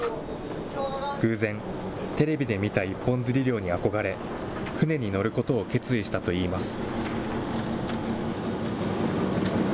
偶然、テレビで見た一本釣り漁に憧れ、船に乗ることを決意したといいます。